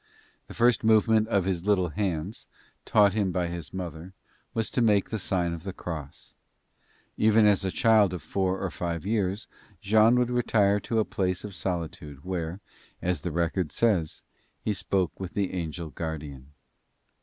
The first movement of his little hands, taught him by his mother, was to make the sign of the cross. Even as a child of four or five years Jean would retire to a place of solitude where, as the record says, "he spoke with the angel guardian."